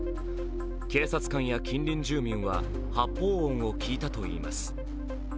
警察官や近隣住民は発砲音を聞いたといいます。